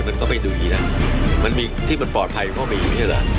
มันก็ไปดูดีนะมันมีที่มันปลอดภัยก็มีใช่หรือเปล่า